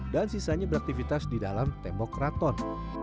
dan sisanya beraktivitas di dalam tembok keraton